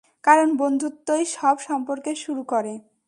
কারণ বন্ধুত্বই সব সম্পর্কের শুরু করে।